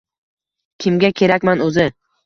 kimga kerakman oʻzi?